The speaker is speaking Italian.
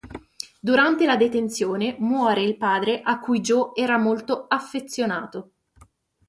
Durante la detenzione muore il padre a cui Joe era molto affezionato.